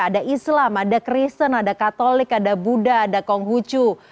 ada islam ada kristen ada katolik ada buddha ada konghucu